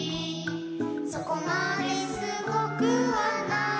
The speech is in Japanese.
「そこまですごくはないけど」